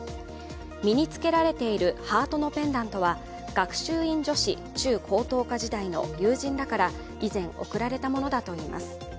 身につけられているハートのペンダントは学習院女子中・高等科時代の友人らから以前贈られたものだといいます。